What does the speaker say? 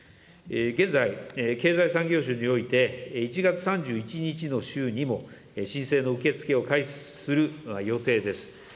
現在、経済産業省において、１月３１日の週にも申請の受け付けを開始する予定です。